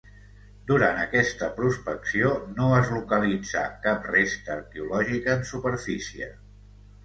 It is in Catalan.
Durant aquesta prospecció no es localitzà cap resta arqueològica en superfície.